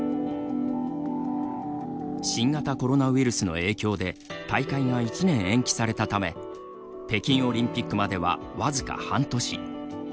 新型コロナウイルスの影響で大会が１年延期されたため北京オリンピックまでは僅か半年。